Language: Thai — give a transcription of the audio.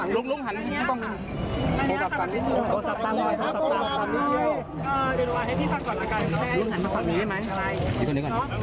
ลุงหันมาลุงหัน